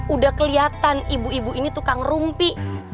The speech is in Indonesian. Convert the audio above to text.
udah kelihatan ibu ibu ini tukang rumpi